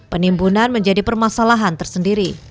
penimbunan menjadi permasalahan